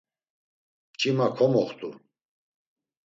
Mç̌ima komoxt̆u.